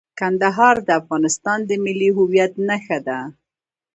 کندهار د افغانستان د ملي هویت نښه ده.